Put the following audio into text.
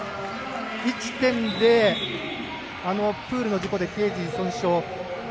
１．０、プールの事故でけい椎損傷。